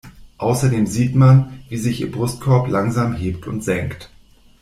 Außerdem sieht man, wie sich ihr Brustkorb langsam hebt und senkt.